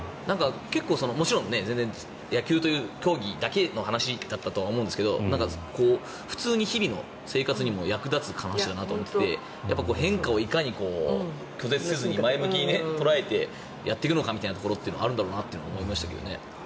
結構、もちろん全然野球という競技だけの話だったと思うんですが普通に日々の生活にも役立つ話だなと思って変化をいかに拒絶せずに前向きに捉えてやっていくのかみたいなところはあるんだろうなと思いましたけどね。